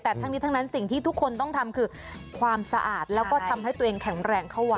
แต่ทั้งนี้ทั้งนั้นสิ่งที่ทุกคนต้องทำคือความสะอาดแล้วก็ทำให้ตัวเองแข็งแรงเข้าไว้